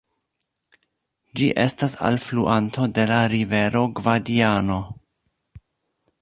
Ĝi estas alfluanto de la rivero Gvadiano.